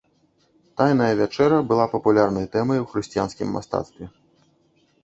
Тайная вячэра была папулярнай тэмай у хрысціянскім мастацтве.